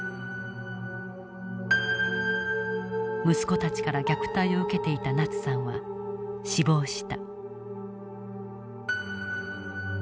息子たちから虐待を受けていたナツさんは死亡した。